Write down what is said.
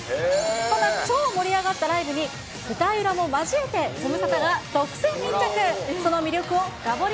そんな超盛り上がったライブに、舞台裏もまじえてズムサタが独占密着。